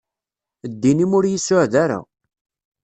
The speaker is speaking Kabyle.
Ddin-im ur iyi-suɛed ara.